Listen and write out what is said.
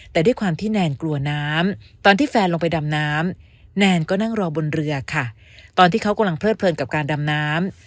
แต่ด้วยความที่แนนกลัวน้ำตอนที่แฟนลงไปดำน้ำแนนก็นั่งรอบนเรือค่ะตอนที่เขากำลังเลิดเพลินกับการดำน้ำ